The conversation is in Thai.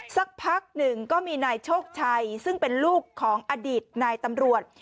สักพักหนึ่งก็มีนายโชคชัยซึ่งเป็นลูกของอดีตนายตำรวจ